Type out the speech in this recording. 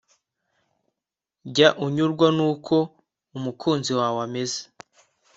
jya unyurwa n’uko umukunzi wawe ameze